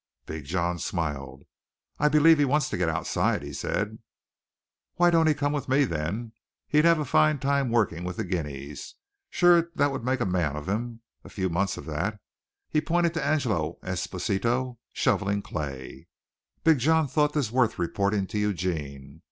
Big John smiled. "I believe he wants to get outside," he said. "Why don't he come with me, then? He'd have a foine time workin' with the guineas. Shewer 'twould make a man av him a few months of that" and he pointed to Angelo Esposito shoveling clay. Big John thought this worth reporting to Eugene.